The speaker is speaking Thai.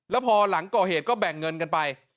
แล้วพอหลังก่อเหตุก็แบ่งเงินกันไป